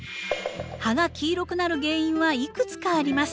葉が黄色くなる原因はいくつかあります。